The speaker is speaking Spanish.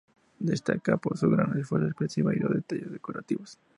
Destaca por su gran fuerza expresiva y los detalles decorativos.